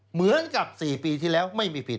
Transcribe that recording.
เหมือนกับ๔ปีที่แล้วไม่มีผิด